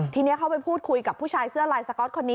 ทีนี้เข้าไปพูดคุยกับผู้ชายเสื้อลายสก๊อตคนนี้